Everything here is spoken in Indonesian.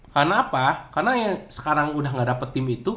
karena apa karena yang sekarang udah gak dapet tim itu